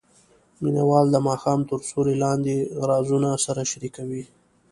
مینه وال د ماښام تر سیوري لاندې رازونه سره شریکوي.